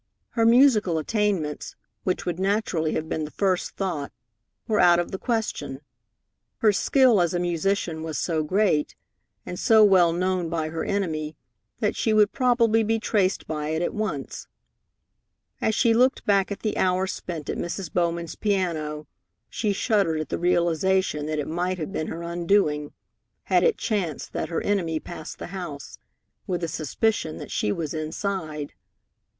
Her musical attainments, which would naturally have been the first thought, were out of the question. Her skill as a musician was so great, and so well known by her enemy, that she would probably be traced by it at once. As she looked back at the hour spent at Mrs. Bowman's piano, she shuddered at the realization that it might have been her undoing, had it chanced that her enemy passed the house, with a suspicion that she was inside.